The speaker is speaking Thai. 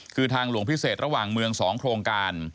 คือทางหลวงพิเศษระหว่างเมือง๒โครงการ